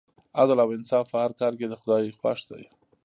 عدل او انصاف په هر کار کې د خدای خوښ دی.